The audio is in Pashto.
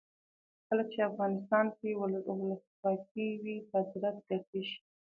کله چې افغانستان کې ولسواکي وي صادرات زیاتیږي.